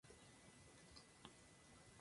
Tienen tres niños.